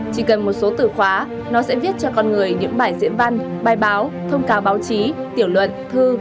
chỉ cần một số từ khóa nó sẽ viết cho con người những bài diễn văn bài báo thông cáo báo chí tiểu luận thư